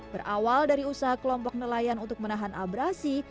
berawal dari usaha kelompok nelayan untuk menahan abrasi